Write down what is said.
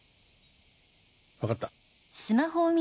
分かった。